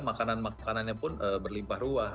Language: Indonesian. makanan makanannya pun berlimpah ruah